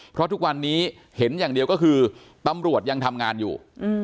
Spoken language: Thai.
เพราะทุกวันนี้เห็นอย่างเดียวก็คือตำรวจยังทำงานอยู่